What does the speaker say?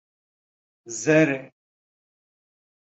Zer e.